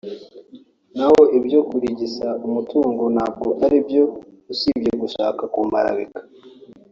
naho ibyo kurigisa umutungo ntabwo ari byo usibye gushaka kumparabika”